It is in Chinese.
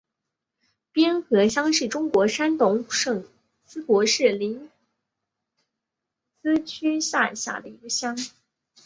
边河乡是中国山东省淄博市临淄区下辖的一个乡。